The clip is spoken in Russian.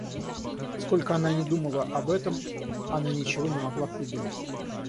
Сколько она ни думала об этом, она ничего не могла придумать.